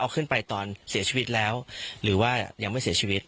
เอาขึ้นไปตอนเสียชีวิตแล้วหรือว่ายังไม่เสียชีวิต